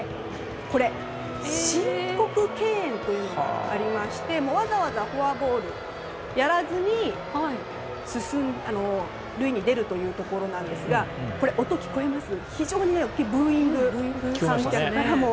これ、申告敬遠というのがありましてわざわざフォアボールをやらずに塁に出るというところなんですが非常に大きいブーイングが観客からも。